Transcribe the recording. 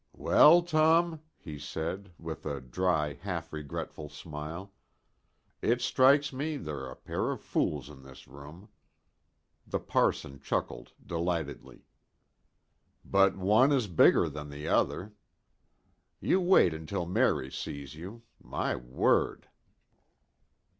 "Well, Tom," he said, with a dry, half regretful smile, "it strikes me there are a pair of fools in this room." The parson chuckled delightedly. "But one is bigger than the other. You wait until Mary sees you. My word!"